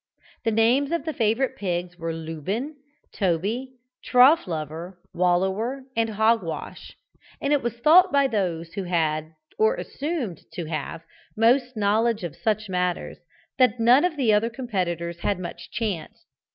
The names of the favourite pigs were Lubin, Toby, Trough lover, Wallower and Hogwash, and it was thought by those who had, or who assumed to have, most knowledge of such matters, that none of the other competitors had much chance.